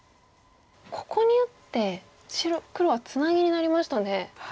ここに打って黒はツナギになりましたね。